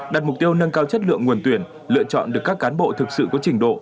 đặt mục tiêu nâng cao chất lượng nguồn tuyển lựa chọn được các cán bộ thực sự có trình độ